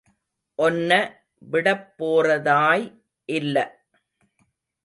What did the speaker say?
ஒன்ன விடப் போறதாய் இல்ல.